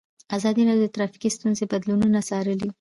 ازادي راډیو د ټرافیکي ستونزې بدلونونه څارلي.